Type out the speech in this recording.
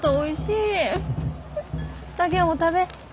竹雄も食べ。